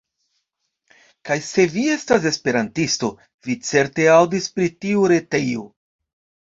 Kaj se vi estas Esperantisto, vi certe aŭdis pri tiu retejo.